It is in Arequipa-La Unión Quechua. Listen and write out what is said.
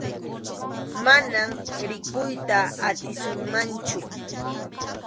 Manam rikuyta atisunmanchu.